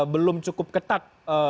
belum cukup ketat